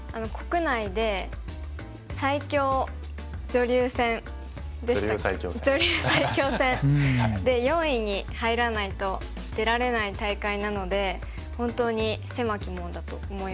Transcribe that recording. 女流最強戦で４位に入らないと出られない大会なので本当に狭き門だと思いますね。